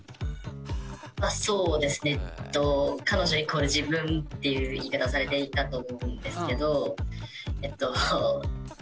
そうですねっていう言い方をされていたと思うんですけど。